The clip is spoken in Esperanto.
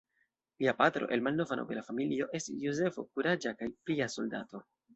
Lia patro el malnova nobela familio estis Jozefo, kuraĝa kaj pia soldato.